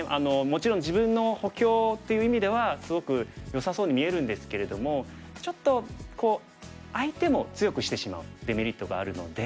もちろん自分の補強っていう意味ではすごくよさそうに見えるんですけれどもちょっと相手も強くしてしまうデメリットがあるので。